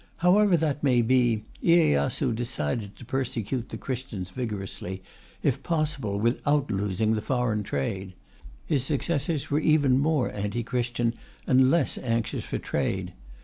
However that may be, Iyeyasu decided to persecute the Christians vigorously, if possible without losing the foreign trade. His successors were even more anti Christian and less anxious for trade.